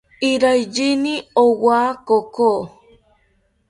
Iraiyini owa koko